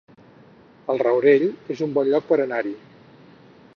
El Rourell es un bon lloc per anar-hi